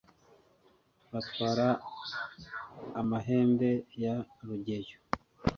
batwara amahembe ya rugeyo